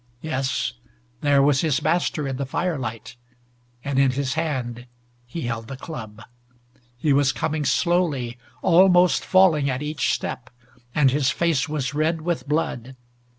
Yes, there was his master in the firelight and in his hand he held the club. He was coming slowly, almost falling at each step, and his face was red with blood.